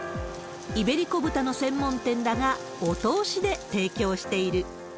イベリコ豚の専門店だが、いお通しで提供している。